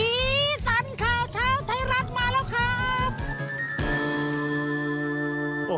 สีสันข่าวเช้าไทยรัฐมาแล้วครับ